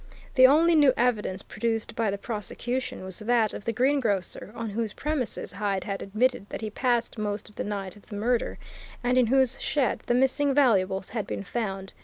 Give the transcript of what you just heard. The only new evidence produced by the prosecution was that of the greengrocer on whose premises Hyde had admitted that he passed most of the night of the murder, and in whose shed the missing valuables had been found.